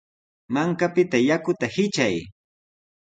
Mankapita yakuta hitray.